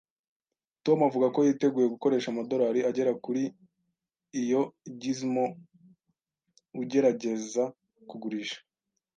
Tom avuga ko yiteguye gukoresha amadorari agera kuri kuri iyo gizmo ugerageza kugurisha